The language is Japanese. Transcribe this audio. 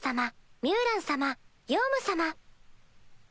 ミュウラン様ヨウム様。